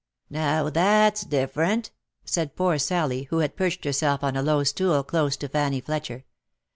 " Now that's different," said poor Sally, who had perched herself on a low stool close to Fanny Fletcher.